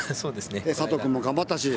佐藤君も頑張ったし。